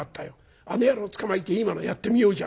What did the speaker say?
あの野郎つかまえて今のやってみようじゃねえか。